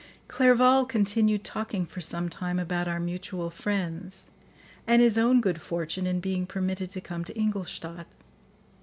Clerval continued talking for some time about our mutual friends and his own good fortune in being permitted to come to Ingolstadt.